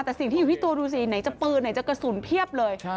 แต่สิ่งที่อยู่ที่ตัวดูสิไหนจะปืนไหนจะกระสุนเพียบเลย